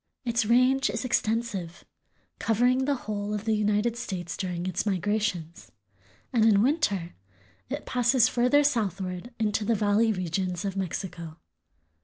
Its range is extensive, covering the whole of the United States during its migrations, and in winter it passes further southward into the valley regions of Mexico.